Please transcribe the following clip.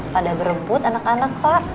pada berebut anak anak pak